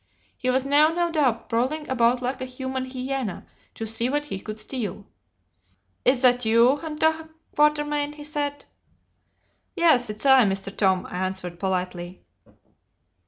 He was now no doubt prowling about like a human hyæna to see what he could steal. "'Is that you, 'unter Quatermain?' he said. "'Yes, it's I, Mr. Tom,' I answered, politely.